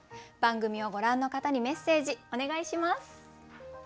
番組をご覧の方にメッセージお願いします。